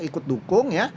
ikut dukung ya